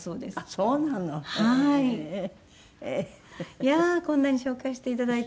いやーこんなに紹介して頂いて。